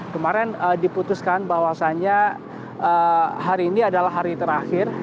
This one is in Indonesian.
kemarin diputuskan bahwasannya hari ini adalah hari terakhir